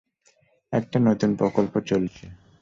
একটা নতুন প্রকল্প চলছে।